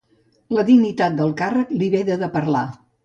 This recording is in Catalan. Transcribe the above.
La dignitat del càrrec li veda de parlar.